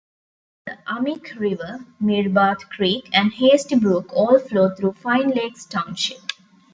The Ahmik River, Mirbat Creek, and Hasty Brook all flow through Fine Lakes Township.